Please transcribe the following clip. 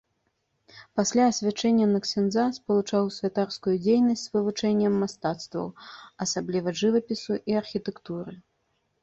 Пасля асвячэнне на ксяндза спалучаў святарскую дзейнасць з вывучэннем мастацтваў, асабліва жывапісу і архітэктуры.